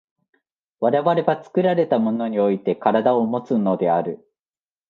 我々は作られたものにおいて身体をもつのである。